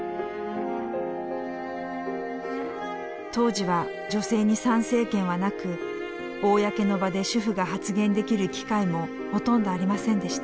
当時は女性に参政権はなく公の場で主婦が発言できる機会もほとんどありませんでした。